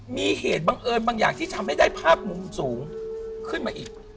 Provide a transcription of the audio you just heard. มีเหตุบังเอิญบางอย่างที่ทำให้ได้ภาพมุมสูงขึ้นมาอีก